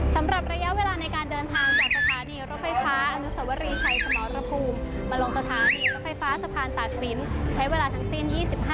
สำหรับระยะเวลาในการเดินทางจากสถานีรถไฟฟ้า